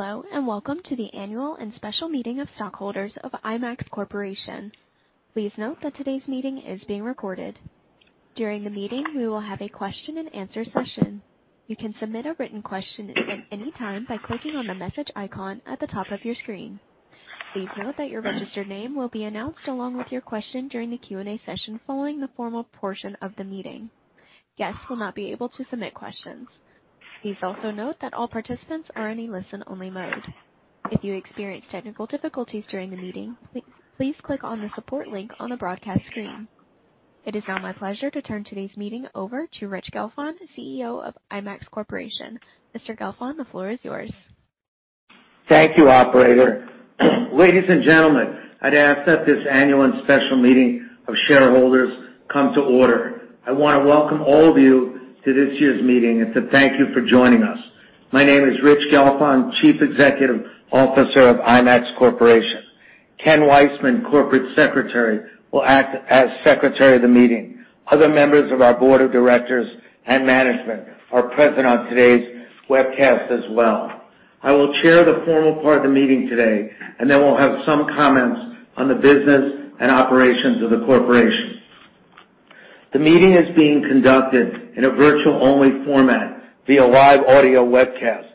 Hello, and welcome to the Annual and Special Meeting of Stockholders of IMAX Corporation. Please note that today's meeting is being recorded. During the meeting, we will have a question and answer session. You can submit a written question at any time by clicking on the message icon at the top of your screen. Please note that your registered name will be announced along with your question during the Q&A session following the formal portion of the meeting. Guests will not be able to submit questions. Please also note that all participants are in a listen-only mode. If you experience technical difficulties during the meeting, please click on the support link on the broadcast screen. It is now my pleasure to turn today's meeting over to Rich Gelfond, CEO of IMAX Corporation. Mr. Gelfond, the floor is yours. Thank you, operator. Ladies and gentlemen, I'd ask that this annual and special meeting of shareholders come to order. I want to welcome all of you to this year's meeting and to thank you for joining us. My name is Rich Gelfond, Chief Executive Officer of IMAX Corporation. Ken Weissman, Corporate Secretary, will act as Secretary of the meeting. Other members of our board of directors and management are present on today's webcast as well. I will chair the formal part of the meeting today, and then we'll have some comments on the business and operations of the corporation. The meeting is being conducted in a virtual-only format via live audio webcast.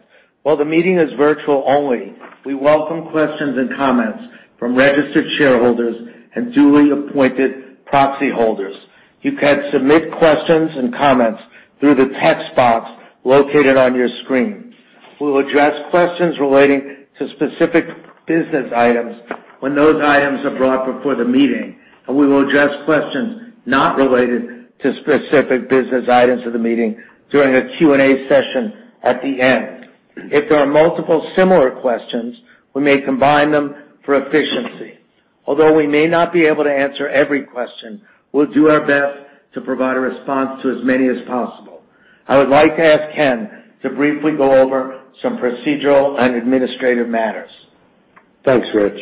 While the meeting is virtual-only, we welcome questions and comments from registered shareholders and duly appointed proxy holders. You can submit questions and comments through the text box located on your screen. We will address questions relating to specific business items when those items are brought before the meeting, and we will address questions not related to specific business items of the meeting during a Q&A session at the end. If there are multiple similar questions, we may combine them for efficiency. Although we may not be able to answer every question, we'll do our best to provide a response to as many as possible. I would like to ask Ken Weissman to briefly go over some procedural and administrative matters. Thanks, Rich.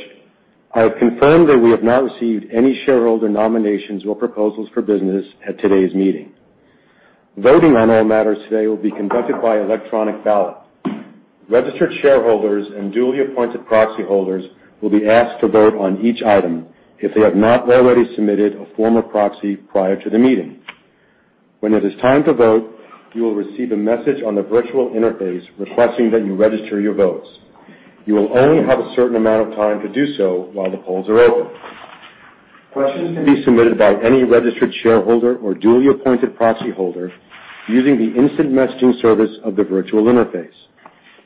I have confirmed that we have not received any shareholder nominations or proposals for business at today's meeting. Voting on all matters today will be conducted by electronic ballot. Registered shareholders and duly appointed proxy holders will be asked to vote on each item if they have not already submitted a formal proxy prior to the meeting. When it is time to vote, you will receive a message on the virtual interface requesting that you register your votes. You will only have a certain amount of time to do so while the polls are open. Questions can be submitted by any registered shareholder or duly appointed proxy holder using the instant messaging service of the virtual interface.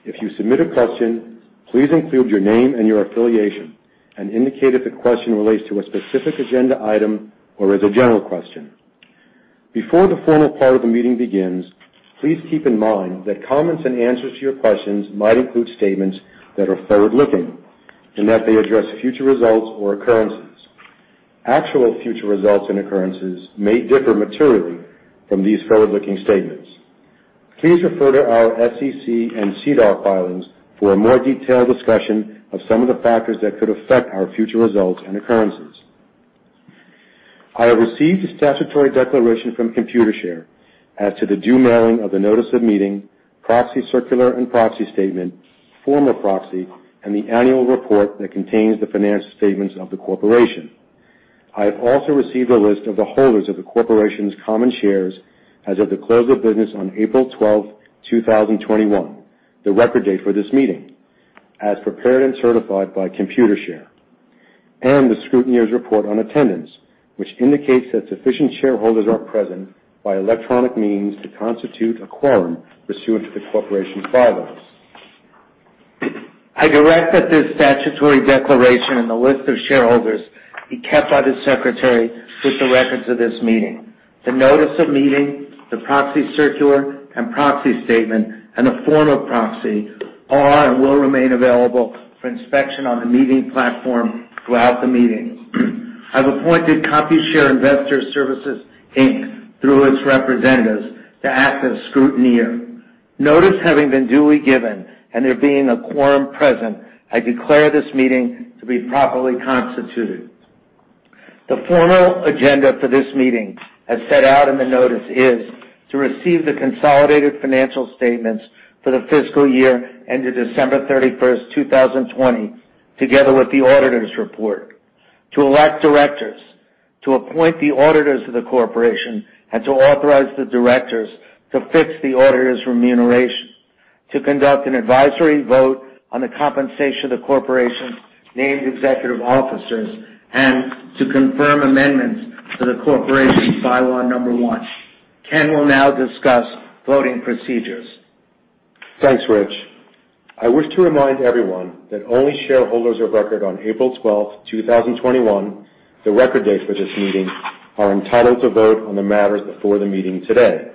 If you submit a question, please include your name and your affiliation and indicate if the question relates to a specific agenda item or is a general question. Before the formal part of the meeting begins, please keep in mind that comments and answers to your questions might include statements that are forward-looking, and that they address future results or occurrences. Actual future results and occurrences may differ materially from these forward-looking statements. Please refer to our SEC and SEDAR filings for a more detailed discussion of some of the factors that could affect our future results and occurrences. I have received a statutory declaration from Computershare as to the due mailing of the notice of the meeting, proxy circular and proxy statement, form of proxy, and the annual report that contains the financial statements of the corporation. I have also received a list of the holders of the corporation's common shares as of the close of business on April 12th, 2021, the record date for this meeting, as prepared and certified by Computershare, and the scrutineer's report on attendance, which indicates that sufficient shareholders are present by electronic means to constitute a quorum pursuant to the corporation's bylaws. I direct that this statutory declaration and the list of shareholders be kept by the secretary with the records of this meeting. The notice of meeting, the proxy circular and proxy statement, and the form of proxy are and will remain available for inspection on the meeting platform throughout the meeting. I've appointed Computershare Investor Services Inc., through its representatives, to act as scrutineer. Notice having been duly given and there being a quorum present, I declare this meeting to be properly constituted. The formal agenda for this meeting, as set out in the notice, is to receive the consolidated financial statements for the fiscal year ended December 31st, 2020, together with the auditor's report. To elect directors. To appoint the auditors of the corporation and to authorize the directors to fix the auditor's remuneration. To conduct an advisory vote on the compensation of the corporation's named executive officers, and to confirm amendments to the corporation's bylaw number one. Ken will now discuss voting procedures. Thanks, Rich. I wish to remind everyone that only shareholders of record on April 12th, 2021, the record date for this meeting, are entitled to vote on the matters before the meeting today.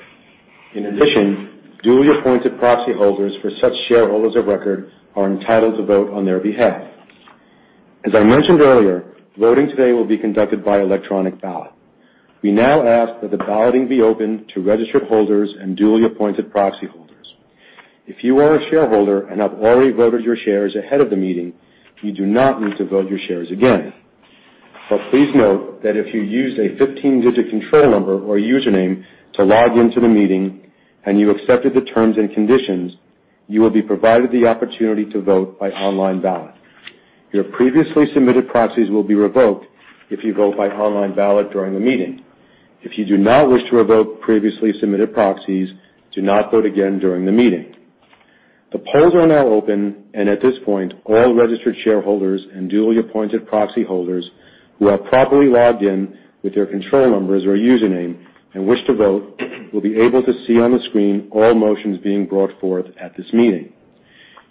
In addition, duly appointed proxy holders for such shareholders of record are entitled to vote on their behalf. As I mentioned earlier, voting today will be conducted by electronic ballot. We now ask that the balloting be opened to registered holders and duly appointed proxy holders. If you are a shareholder and have already voted your shares ahead of the meeting, you do not need to vote your shares again. Please note that if you used a 15-digit control number or username to log into the meeting and you accepted the terms and conditions, you will be provided the opportunity to vote by online ballot. Your previously submitted proxies will be revoked if you vote by online ballot during the meeting. If you do not wish to revoke previously submitted proxies, do not vote again during the meeting. The polls are now open, and at this point, all registered shareholders and duly appointed proxy holders who have properly logged in with their control numbers or username and wish to vote will be able to see on the screen all motions being brought forth at this meeting.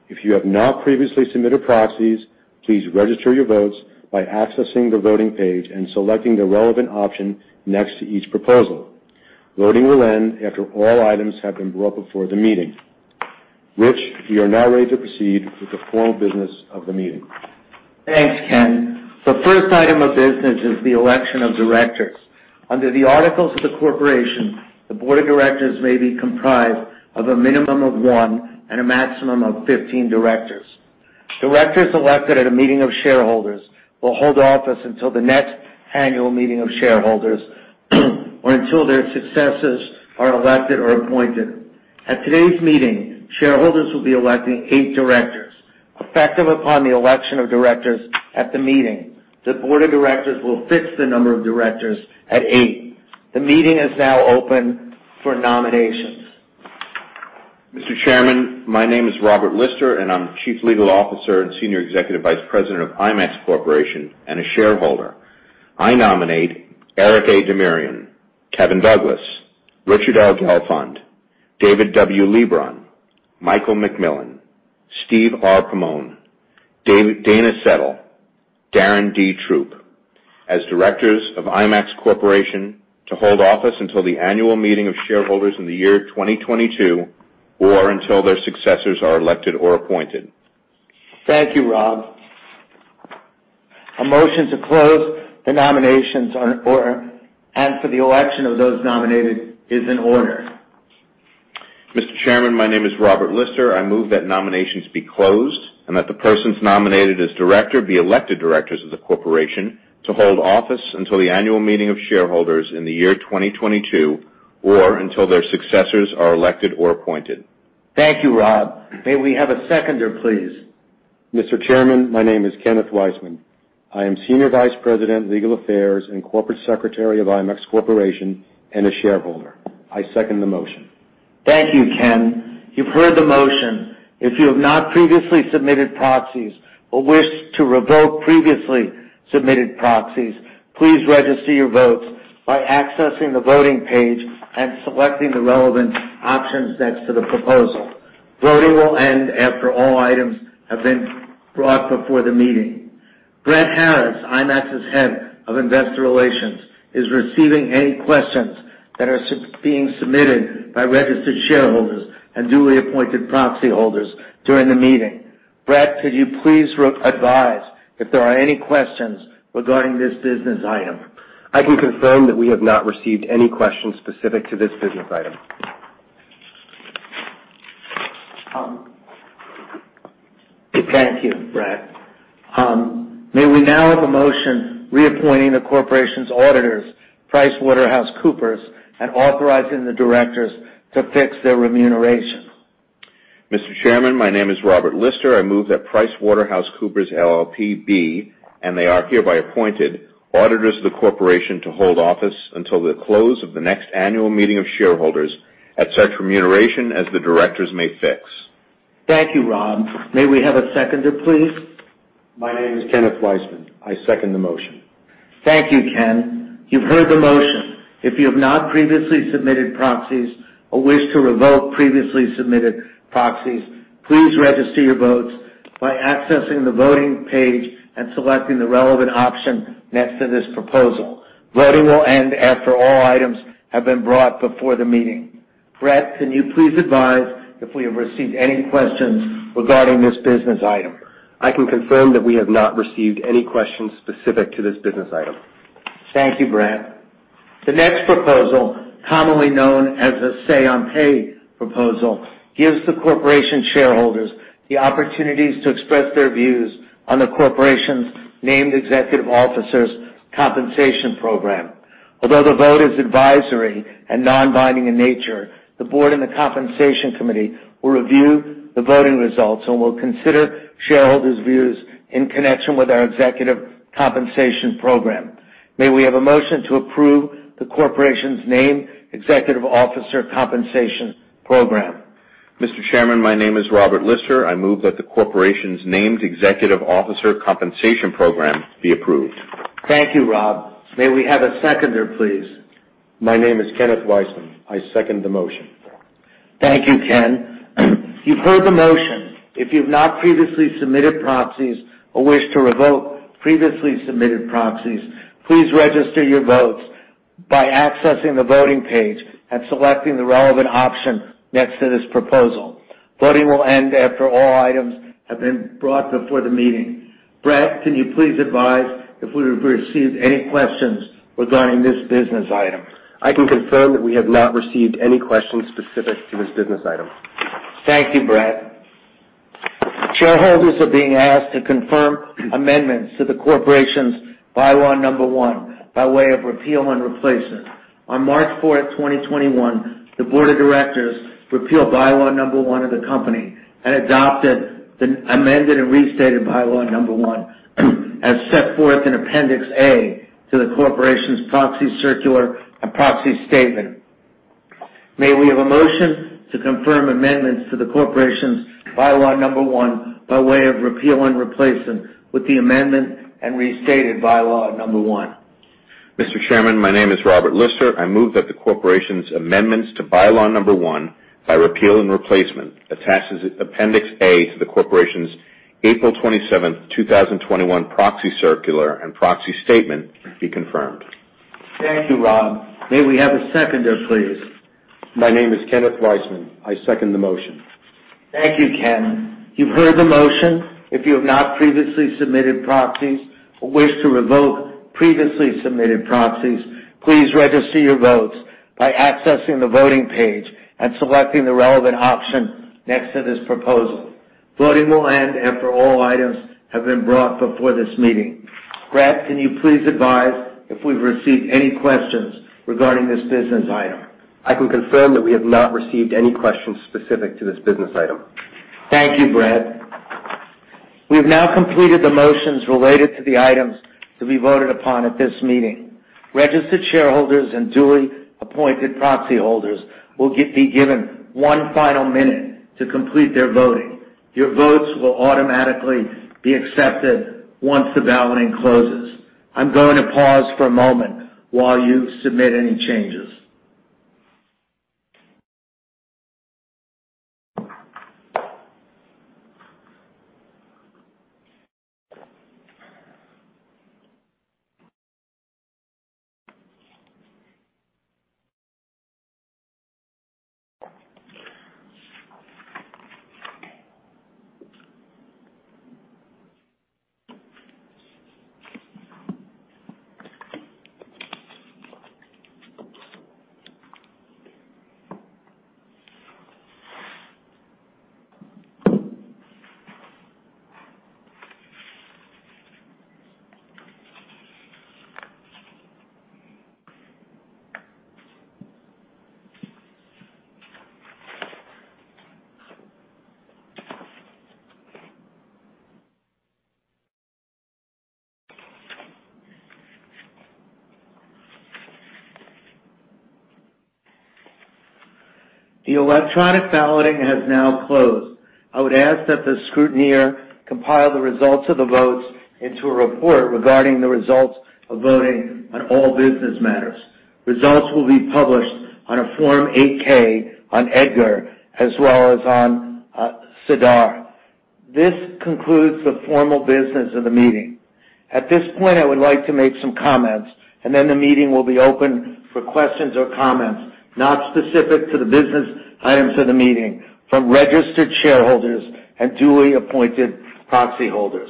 If you have not previously submitted proxies, please register your votes by accessing the voting page and selecting the relevant option next to each proposal. Voting will end after all items have been brought before the meeting. Rich, we are now ready to proceed with the formal business of the meeting. Thanks, Ken. The first item of business is the election of directors. Under the articles of the Corporation, the Board of Directors may be comprised of a minimum of one and a maximum of 15 directors. Directors elected at a meeting of shareholders will hold office until the next annual meeting of shareholders or until their successors are elected or appointed. At today's meeting, shareholders will be electing eight directors. Effective upon the election of directors at the meeting, the Board of Directors will fix the number of directors at eight. The meeting is now open for nominations. Mr. Chairman, my name is Robert Lister, and I'm Chief Legal Officer and Senior Executive Vice President of IMAX Corporation and a shareholder. I nominate Eric A. Demirian, Kevin Douglas, Richard L. Gelfond, David W. Leebron, Michael MacMillan, Steve Pamon, Dana Settle, Darren D. Throop, as directors of IMAX Corporation to hold office until the annual meeting of shareholders in the year 2022, or until their successors are elected or appointed. Thank you, Rob. A motion to close the nominations and for the election of those nominated is in order. Mr. Chairman, my name is Robert Lister. I move that nominations be closed and that the persons nominated as director be elected directors of the corporation to hold office until the annual meeting of shareholders in the year 2022 or until their successors are elected or appointed. Thank you, Rob. May we have a seconder, please? Mr. Chairman, my name is Kenneth Weissman. I am Senior Vice President, Legal Affairs, and Corporate Secretary of IMAX Corporation and a shareholder. I second the motion. Thank you, Ken. You've heard the motion. If you have not previously submitted proxies or wish to revoke previously submitted proxies, please register your votes by accessing the voting page and selecting the relevant options next to the proposal. Voting will end after all items have been brought before the meeting. Brett Harriss, IMAX's Head of Investor Relations, is receiving any questions that are being submitted by registered shareholders and duly appointed proxy holders during the meeting. Jennifer Horsley, could you please advise if there are any questions regarding this business item? I can confirm that we have not received any questions specific to this business item. Thank you, Brett. May we now have a motion reappointing the corporation's auditors, PricewaterhouseCoopers, and authorizing the directors to fix their remuneration? Mr. Chairman, my name is Robert Lister. I move that PricewaterhouseCoopers LLP, be, and they are hereby appointed, auditors of the corporation to hold office until the close of the next annual meeting of shareholders at such remuneration as the directors may fix. Thank you, Rob. May we have a seconder, please? My name is Kenneth Weissman. I second the motion. Thank you, Ken. You've heard the motion. If you have not previously submitted proxies or wish to revoke previously submitted proxies, please register your votes by accessing the voting page and selecting the relevant option next to this proposal. Voting will end after all items have been brought before the meeting. Brett, can you please advise if we have received any questions regarding this business item? I can confirm that we have not received any questions specific to this business item. Thank you, Brett. The next proposal, commonly known as a say on pay proposal, gives the Corporation shareholders the opportunities to express their views on the Corporation's named executive officers' compensation program. Although the vote is advisory and non-binding in nature, the Board and the Compensation Committee will review the voting results and will consider shareholders' views in connection with our executive compensation program. May we have a motion to approve the Corporation's named executive officer compensation program? Mr. Chairman, my name is Robert Lister. I move that the corporation's named executive officer compensation program be approved. Thank you, Rob. May we have a seconder, please? My name is Kenneth Weissman. I second the motion. Thank you, Ken. You've heard the motion. If you've not previously submitted proxies or wish to revoke previously submitted proxies, please register your votes by accessing the voting page and selecting the relevant option next to this proposal. Voting will end after all items have been brought before the meeting. Brett, can you please advise if we have received any questions regarding this business item? I can confirm that we have not received any questions specific to this business item. Thank you, Brett. Shareholders are being asked to confirm amendments to the Corporation's bylaw number one by way of repeal and replacement. On March 4th, 2021, the board of directors repealed bylaw number one of the Corporation and adopted the amended and restated bylaw number one as set forth in Appendix A to the Corporation's proxy circular and proxy statement. May we have a motion to confirm amendments to the Corporation's bylaw number one by way of repeal and replacement with the amended and restated bylaw number one? Mr. Chairman, my name is Robert Lister. I move that the corporation's amendments to bylaw number 1 by repeal and replacement, attached as Appendix A to the corporation's April 27th, 2021 proxy circular and proxy statement, be confirmed. Thank you, Rob. May we have a seconder, please? My name is Kenneth Weissman. I second the motion. Thank you, Ken. You've heard the motion. If you have not previously submitted proxies or wish to revoke previously submitted proxies, please register your votes by accessing the voting page and selecting the relevant option next to this proposal. Voting will end after all items have been brought before this meeting. Brett, can you please advise if we've received any questions regarding this business item? I can confirm that we have not received any questions specific to this business item. Thank you, Brett. We've now completed the motions related to the items to be voted upon at this meeting. Registered shareholders and duly appointed proxy holders will be given one final minute to complete their voting. Your votes will automatically be accepted once the balloting closes. I'm going to pause for a moment while you submit any changes. The electronic balloting has now closed. I would ask that the scrutineer compile the results of the votes into a report regarding the results of voting on all business matters. Results will be published on a Form 8-K on EDGAR as well as on SEDAR. This concludes the formal business of the meeting. At this point, I would like to make some comments, and then the meeting will be open for questions or comments not specific to the business items of the meeting from registered shareholders and duly appointed proxy holders.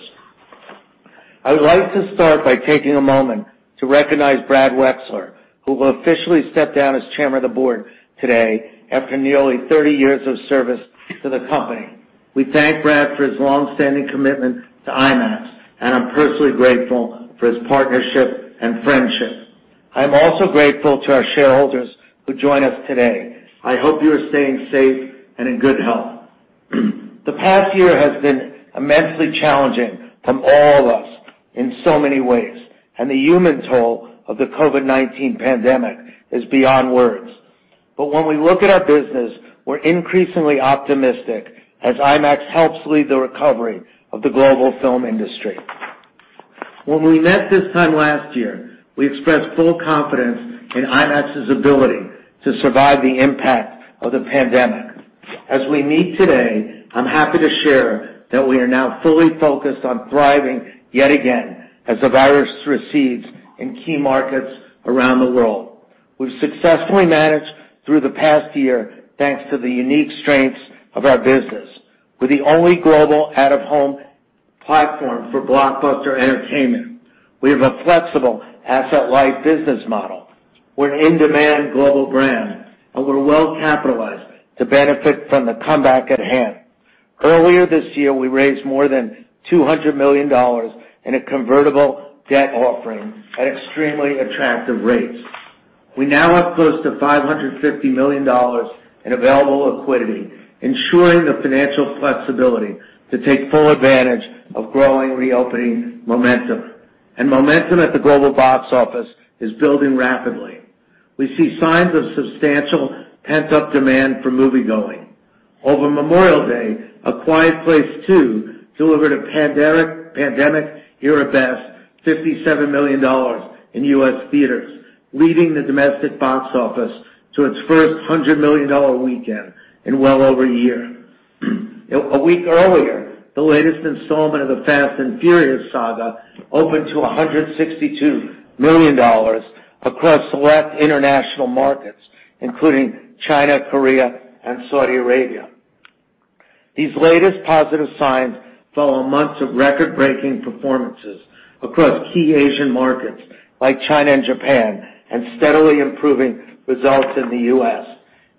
I would like to start by taking a moment to recognize Brad Wechsler, who will officially step down as Chairman of the Board today after nearly 30 years of service to the company. We thank Brad for his longstanding commitment to IMAX, and I'm personally grateful for his partnership and friendship. I'm also grateful to our shareholders who join us today. I hope you are staying safe and in good health. The past year has been immensely challenging from all of us in so many ways, and the human toll of the COVID-19 pandemic is beyond words. When we look at our business, we're increasingly optimistic as IMAX helps lead the recovery of the global film industry. When we met this time last year, we expressed full confidence in IMAX's ability to survive the impact of the pandemic. As we meet today, I'm happy to share that we are now fully focused on thriving yet again as the virus recedes in key markets around the world. We've successfully managed through the past year, thanks to the unique strengths of our business. We're the only global out-of-home platform for blockbuster entertainment. We have a flexible asset-light business model. We're an in-demand global brand, we're well-capitalized to benefit from the comeback at hand. Earlier this year, we raised more than $200 million in a convertible debt offering at extremely attractive rates. We now have close to $550 million in available liquidity, ensuring the financial flexibility to take full advantage of growing reopening momentum. Momentum at the global box office is building rapidly. We see signs of substantial pent-up demand for moviegoing. Over Memorial Day, A Quiet Place Part II delivered a pandemic-era best $57 million in U.S. theaters, leading the domestic box office to its first $100 million weekend in well over a year. A week earlier, the latest installment of the Fast & Furious saga opened to $162 million across select international markets, including China, Korea, and Saudi Arabia. These latest positive signs follow months of record-breaking performances across key Asian markets like China and Japan and steadily improving results in the U.S.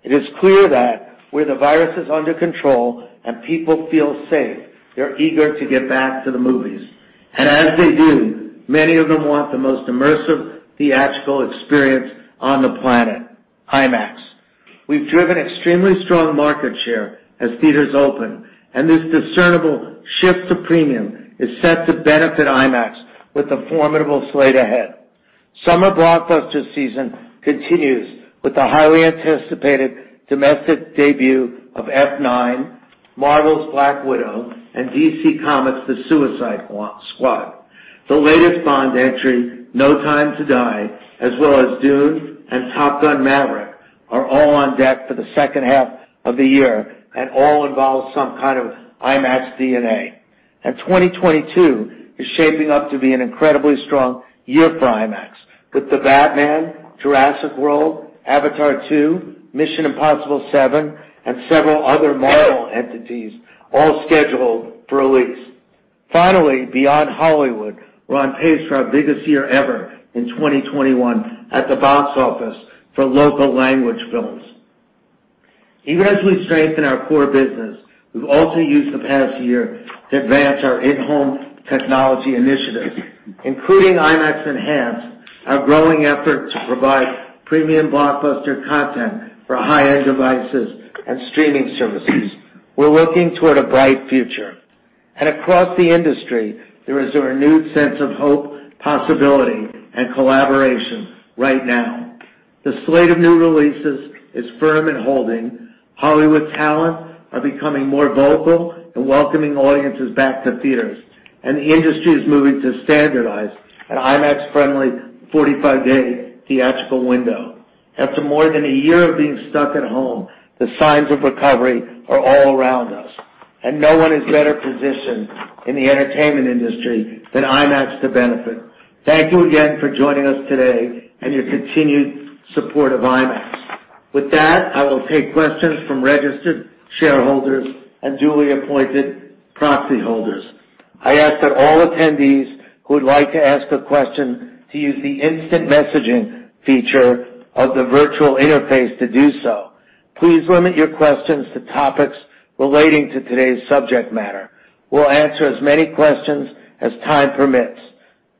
It is clear that where the virus is under control and people feel safe, they're eager to get back to the movies. As they do, many of them want the most immersive theatrical experience on the planet, IMAX. We've driven extremely strong market share as theaters open, and this discernible shift to premium is set to benefit IMAX with a formidable slate ahead. Summer blockbuster season continues with the highly anticipated domestic debut of "F9," Marvel's "Black Widow," and DC Comics' "The Suicide Squad." The latest Bond entry, "No Time to Die," as well as "Dune" and "Top Gun: Maverick," are all on deck for the second half of the year and all involve some kind of IMAX DNA. 2022 is shaping up to be an incredibly strong year for IMAX, with "The Batman," "Jurassic World," "Avatar Two," "Mission Impossible Seven," and several other Marvel entities all scheduled for release. Finally, beyond Hollywood, we're on pace for our biggest year ever in 2021 at the box office for local language films. Even as we strengthen our core business, we've also used the past year to advance our in-home technology initiatives, including IMAX Enhanced, our growing effort to provide premium blockbuster content for high-end devices and streaming services. We're looking toward a bright future. Across the industry, there is a renewed sense of hope, possibility, and collaboration right now. The slate of new releases is firm and holding. Hollywood talents are becoming more vocal and welcoming audiences back to theaters, and the industry is moving to standardize an IMAX-friendly 45-day theatrical window. After more than a year of being stuck at home, the signs of recovery are all around us, and no one is better positioned in the entertainment industry than IMAX to benefit. Thank you again for joining us today and your continued support of IMAX. With that, I will take questions from registered shareholders and duly appointed proxy holders. I ask that all attendees who would like to ask a question to use the instant messaging feature of the virtual interface to do so. Please limit your questions to topics relating to today's subject matter. We'll answer as many questions as time permits.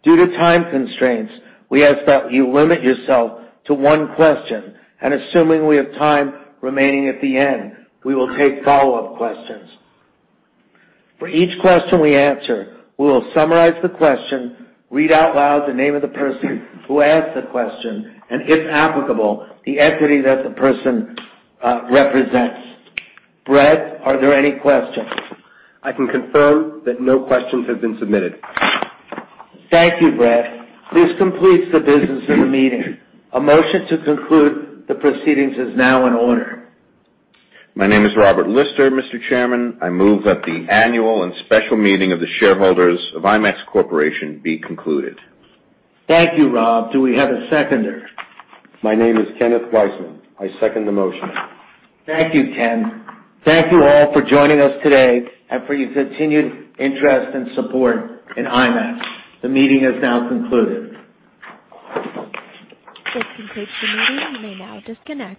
Due to time constraints, we ask that you limit yourself to one question, and assuming we have time remaining at the end, we will take follow-up questions. For each question we answer, we will summarize the question, read out loud the name of the person who asked the question, and if applicable, the entity that the person represents. Brett, are there any questions? I can confirm that no questions have been submitted. Thank you, Brett. This completes the business of the meeting. A motion to conclude the proceedings is now in order. My name is Robert Lister, Mr. Chairman. I move that the annual and special meeting of the shareholders of IMAX Corporation be concluded. Thank you, Rob. Do we have a seconder? My name is Kenneth Weissman. I second the motion. Thank you, Ken. Thank you all for joining us today and for your continued interest and support in IMAX. The meeting is now concluded. This concludes the meeting. You may now disconnect.